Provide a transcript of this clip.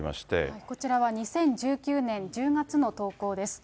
こちらは２０１９年１０月の投稿です。